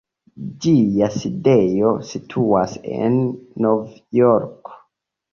Ĝia sidejo situas en Novjorko.